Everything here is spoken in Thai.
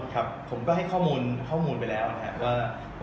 ครับผมก็ให้ข้อมูลเรียนไปแล้วนะครับ